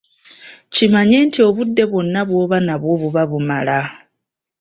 Kimanye nti obudde bwonna bw'oba nabwo buba bumala!